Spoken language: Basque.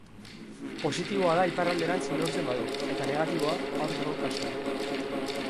Positiboa da iparralderantz neurtzen badu, eta negatiboa, aurkako kasuan.